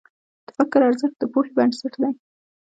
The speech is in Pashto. د فکر ارزښت د پوهې بنسټ دی.